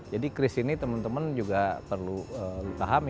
jadi kris ini teman teman juga perlu pahami